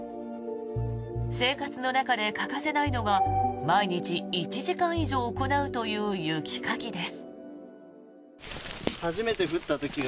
生活の中で欠かせないのが毎日１時間以上行うという雪かきです。